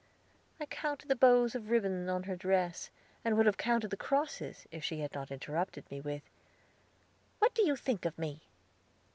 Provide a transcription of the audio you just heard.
I counted the bows of ribbon on her dress, and would have counted the crosses, if she had not interrupted me with, "What do you think of me?"